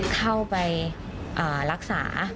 เข้าไปรักษา